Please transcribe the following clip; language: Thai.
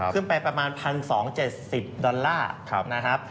ขึ้นไปประมาณ๑๒๗๐ดอลลาร์นะครับ